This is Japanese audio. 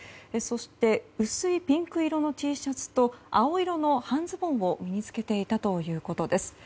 そして薄いピンク色のＴシャツと青色の半ズボンを身に着けていたということです。